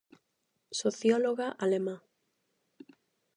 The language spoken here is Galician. Socióloga alemá.